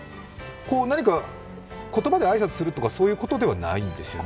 何か言葉で挨拶するとかそういうことではないんですよね。